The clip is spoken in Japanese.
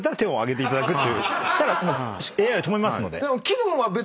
そしたらＡＩを止めますので。